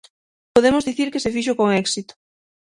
Podemos dicir que se fixo con éxito.